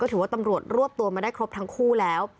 ถือว่าตำรวจรวบตัวมาได้ครบทั้งคู่แล้ว